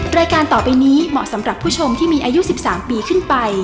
รายการต่อไปนี้เหมาะสำหรับผู้ชมที่มีอายุ๑๓ปีขึ้นไป